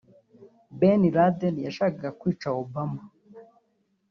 Bin Laden yashakaga kwica Obama